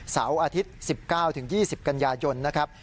เสาร์อาทิตย์๑๙๒๐กันยายนนะครับ